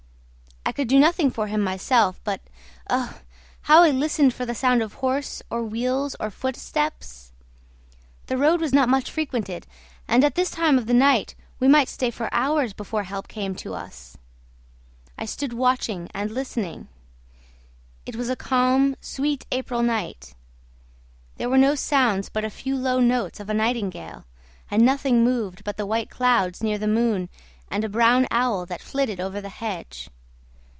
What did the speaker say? I could do nothing for him nor myself, but, oh! how I listened for the sound of horse, or wheels, or footsteps! The road was not much frequented, and at this time of the night we might stay for hours before help came to us. I stood watching and listening. It was a calm, sweet April night; there were no sounds but a few low notes of a nightingale, and nothing moved but the white clouds near the moon and a brown owl that flitted over the hedge.